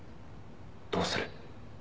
「どうする？」